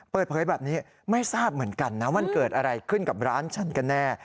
เปิดเผยแบบนี้ไม่ทราบเหมือนกันนะมันเกิดอะไรขึ้นกับร้านฉันกันแน่